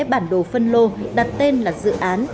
bản đồ phân lô đặt tên là dự án